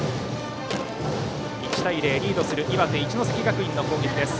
１対０、リードする岩手・一関学院の攻撃です。